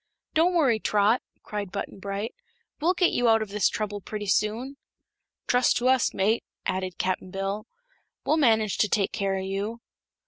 "Don't worry, Trot," cried Button Bright; "we'll get you out of this trouble pretty soon." "Trust to us, mate," added Cap'n Bill; "we'll manage to take care o' you."